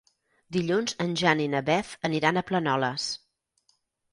Dilluns en Jan i na Beth aniran a Planoles.